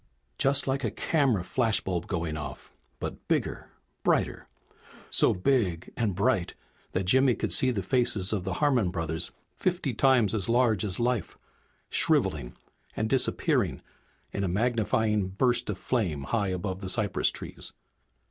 Just like a camera flashbulb going off, but bigger, brighter. So big and bright that Jimmy could see the faces of the Harmon brothers fifty times as large as life, shriveling and disappearing in a magnifying burst of flame high above the cypress trees.